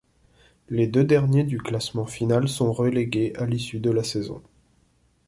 Les deux derniers du classement final sont relégués à l'issue de la saison.